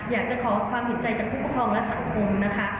อยากจะขอความเห็นใจจากผู้ปกครองและสังคมนะคะ